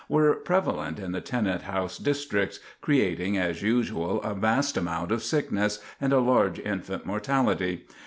were prevalent in the tenant house districts, creating, as usual, a vast amount of sickness, and a large infant mortality.